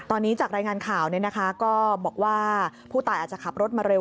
ตอนนี้จากรายงานข่าวก็บอกว่าผู้ตายอาจจะขับรถมาเร็ว